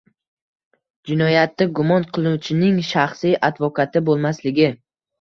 Jinoyatda gumon qilinuvchining shaxsiy advokati bo‘lmasligi